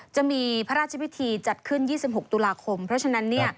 จะมีพระราชพิธีจัดขึ้น๒๖ตุลาคมเพราะฉะนั้น